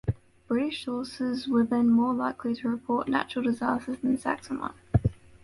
British sources were then more likely to report natural disasters than Saxon ones.